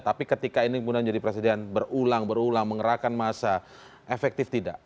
tapi ketika ini kemudian jadi presiden berulang ulang mengerahkan masa efektif tidak